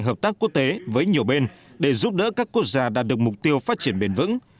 hợp tác quốc tế với nhiều bên để giúp đỡ các quốc gia đạt được mục tiêu phát triển bền vững